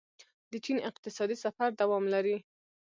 د چین اقتصادي سفر دوام لري.